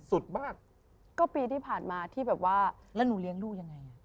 สุดมากก็ปีที่ผ่านมาที่แบบว่าแล้วหนูเลี้ยงลูกยังไงอ่ะ